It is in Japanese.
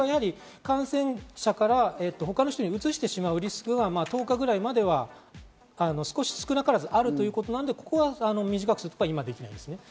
感染者から他の人にうつしてしまうリスクは１０日ぐらいまでは少なからずあるということなので、ここは短くすることは今はできない。